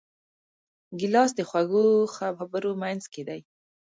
ګیلاس د خوږو خبرو منځکۍ دی.